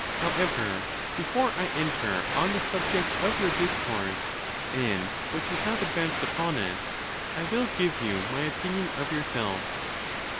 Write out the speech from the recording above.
However, before i enter on the subject of your discourse and wliat you 230 THE NATURE OF THE GODS. have advanced upon it, I will give you my opinion of yourself.